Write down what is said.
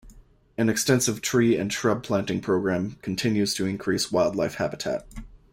An extensive tree and shrub planting program continues to increase wildlife habitat.